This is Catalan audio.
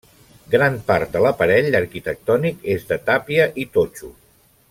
Gran part de l'aparell arquitectònic és de tàpia i totxo.